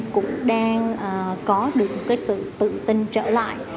cũng đang có được sự tự tin trở lại